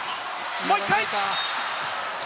もう１回！